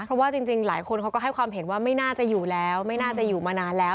เพราะว่าจริงหลายคนเขาก็ให้ความเห็นว่าไม่น่าจะอยู่แล้วไม่น่าจะอยู่มานานแล้ว